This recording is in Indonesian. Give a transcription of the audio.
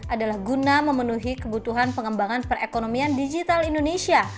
adalah guna memenuhi kebutuhan pengembangan perekonomian digital indonesia